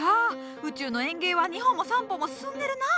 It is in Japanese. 宇宙の園芸は２歩も３歩も進んでるなあ。